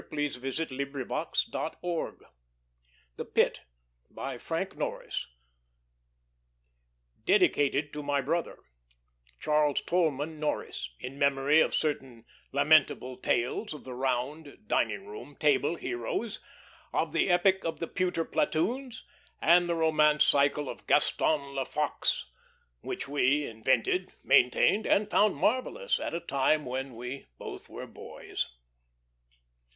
THE PIT A STORY OF CHICAGO By FRANK NORRIS NEW YORK 1903 Dedicated to My Brother Charles Tolman Norris In memory of certain lamentable tales of the round (dining room) table heroes; of the epic of the pewter platoons, and the romance cycle of "Gaston Le Fox," which we invented, maintained, and found marvellous at a time when we both were boys.